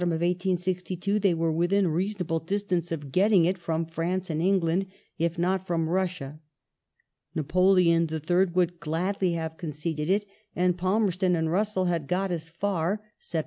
And in the autumn of 1862 they were within measurable cr "is*^ distance of getting it from France and England, if not from Russia. Napoleon III. would gladly have conceded it, and Pahnerston and Russell had got as far (Sept.